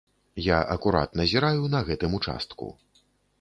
Я акурат назіраю на гэтым участку.